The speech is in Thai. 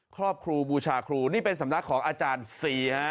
ครอบครูบูชาครูนี่เป็นสำนักของอาจารย์ศรีฮะ